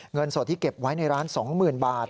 เงินสดที่เก็บไว้ในร้าน๒๐๐๐บาท